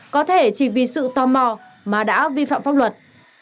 có thể chỉ vì sự tò mò mà đã vi phạm pháp luật